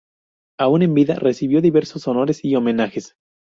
Aún en vida, recibió diversos honores y homenajes.